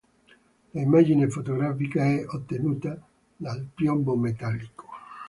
L'immagine fotografica è ottenuta dal piombo metallico.